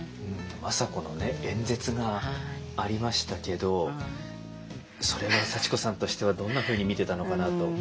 政子の演説がありましたけどそれは幸子さんとしてはどんなふうに見てたのかなと。